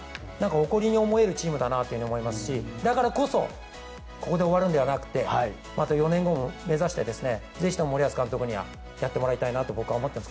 誇りに思えるチームだなと思いますしだからこそここで終わるんではなくてまた４年後を目指してぜひとも森保監督にはやってもらいたいなと思います。